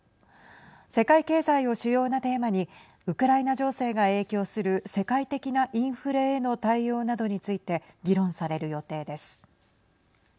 世界経済を主要なテーマにウクライナ情勢が影響する世界的なインフレへの対応などについて議論される予定です。